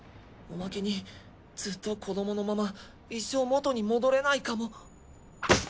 おまけにずっと子どものまま一生元に戻れないかも。